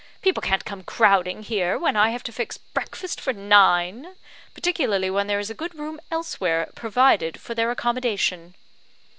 People can't come crowding here, when I have to fix breakfast for nine; particularly when there is a good room elsewhere provided for their accommodation."